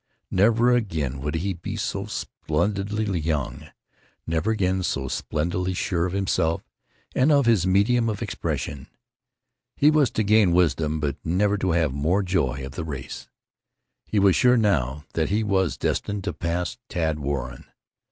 Never again would he be so splendidly young, never again so splendidly sure of himself and of his medium of expression. He was to gain wisdom, but never to have more joy of the race. He was sure now that he was destined to pass Tad Warren.